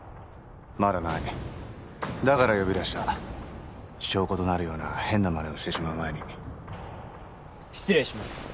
まだないだから呼び出した証拠となるような変なマネをしてしまう前に失礼します